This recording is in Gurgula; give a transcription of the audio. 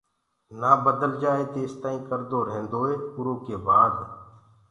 نآ بدل جآئي تيستآئين ڪردو ريهيندوئي اُرو ڪي بآد